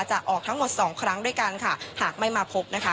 ออกทั้งหมดสองครั้งด้วยกันค่ะหากไม่มาพบนะคะ